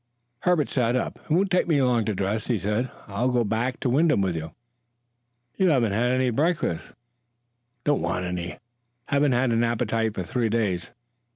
Herbert sat up. "It won't take me long to dress," he said. "I'll go back to Wyndham with you." "You haven't had any breakfast." "Don't want any. Haven't had an appetite for three days.